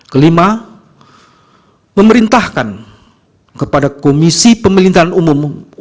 kelima memerintahkan kepada komisi pemilihan umum